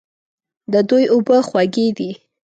د دوی اوبه خوږې دي.